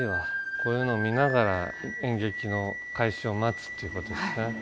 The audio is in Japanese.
こういうのを見ながら演劇の開始を待つっていうことですね。